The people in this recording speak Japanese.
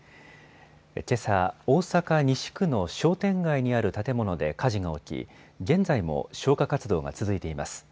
けさ、大阪西区の商店街にある建物で火事が起き現在も消火活動が続いています。